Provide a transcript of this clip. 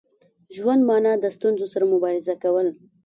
ژوند مانا د ستونزو سره مبارزه کول.